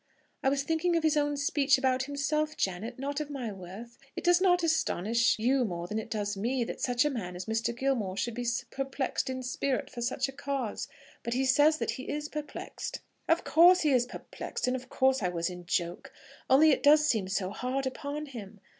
"I was thinking of his own speech about himself, Janet, not of my worth. It does not astonish you more than it does me that such a man as Mr. Gilmore should be perplexed in spirit for such a cause. But he says that he is perplexed." "Of course he is perplexed, and of course I was in joke. Only it does seem so hard upon him!